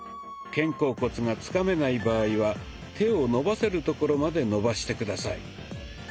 肩甲骨がつかめない場合は手を伸ばせるところまで伸ばして下さい。